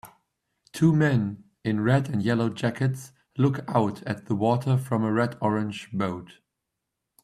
Two men in red and yellow jackets look out at the water from a redorange boat.